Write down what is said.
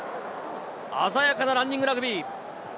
鮮やかなランニングラグビー。